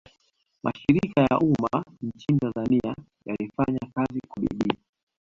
mashirika ya umma nchini tanzania yalifanya kazi kwa bidii